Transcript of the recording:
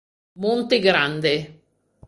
Monte Grande